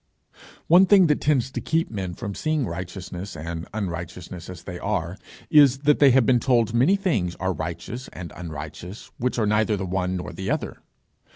One thing that tends to keep men from seeing righteousness and unrighteousness as they are, is, that they have been told many things are righteous and unrighteous, which are neither the one nor the other.